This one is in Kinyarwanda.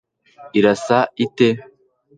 irasa ite